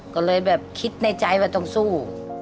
ก็เลยแบบคิดในใจว่าต้องสู้